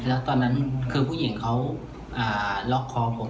แล้วตอนนั้นคือผู้หญิงเขาล็อกคอผม